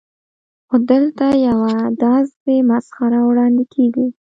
خو دلته یوه داسې مسخره وړاندې کېږي.